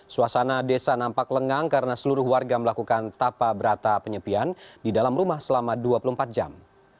suasana desa nampak lengang karena seluruh warga melakukan tapa berata penyepian di dalam rumah selama dua puluh empat jam